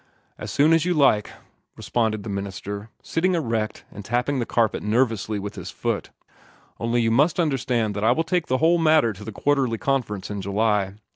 "As soon as you like," responded the minister, sitting erect and tapping the carpet nervously with his foot. "Only you must understand that I will take the whole matter to the Quarterly Conference in July.